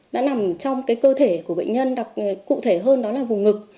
nó nằm trong cái cơ thể của bệnh nhân cụ thể hơn đó là vùng ngực